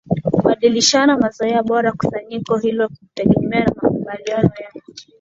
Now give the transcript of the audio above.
kubadilishana mazoea bora Kusanyiko hilo hutegemea makubaliano ya